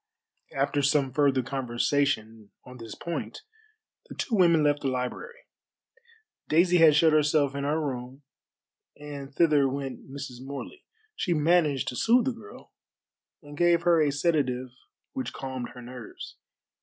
After some further conversation on this point the two women left the library. Daisy had shut herself in her room, and thither went Mrs. Morley. She managed to sooth the girl, and gave her a sedative which calmed her nerves.